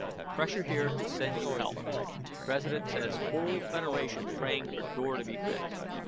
PRESSURE HERE TO SEND YOU HELP. PRESIDENT SAYS WHOLE FEDERATION PRAYING FOR DOOR TO BE FIXED.